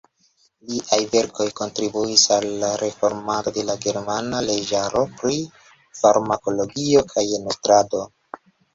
Liaj verkoj kontribuis al la reformado de la germana leĝaro pri farmakologio kaj nutrado.